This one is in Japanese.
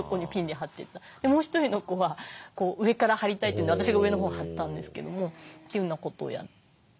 もう一人の子は上から貼りたいというんで私が上のほうを貼ったんですけどもというようなことをやって。